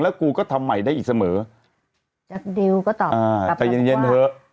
กูก็ทำใหม่ได้อีกเสมอจากดิวก็ตอบอ่ากลับใจเย็นเย็นเถอะ